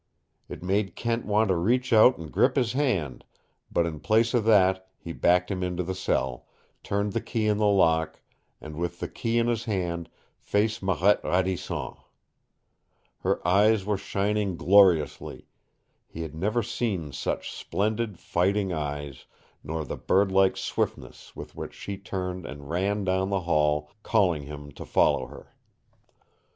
It made Kent want to reach out and grip his hand, but in place of that he backed him into the cell, turned the key in the lock, and with the key in his hand faced Marette Radisson. Her eyes were shining gloriously. He had never seen such splendid, fighting eyes, nor the birdlike swiftness with which she turned and ran down the hall, calling him to follow her.